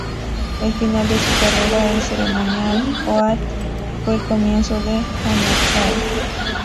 El final de su carrera en Ceremonial Oath fue el comienzo de Hammerfall.